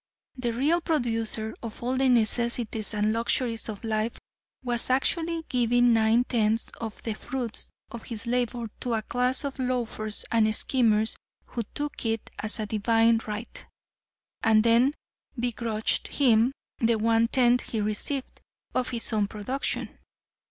The real producer of all the necessities and luxuries of life was actually giving nine tenths of the fruits of his labor to a class of loafers and schemers who took it as a divine right, and then begrudged him the one tenth he received of his own production.